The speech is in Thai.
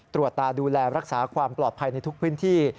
ตรวจตาดูแลรักษาความปลอดภัยในทุกพื้นที่